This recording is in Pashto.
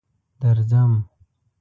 درځم.